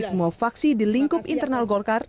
semua faksi di lingkup internal golkar